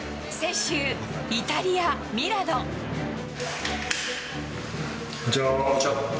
先週、こんにちは。